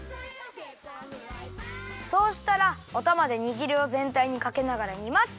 そうしたらおたまで煮じるをぜんたいにかけながら煮ます。